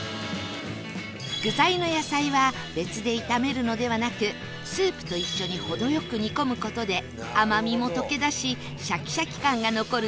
具材の野菜は別で炒めるのではなくスープと一緒に程良く煮込む事で甘みも溶け出しシャキシャキ感が残る絶妙な食感に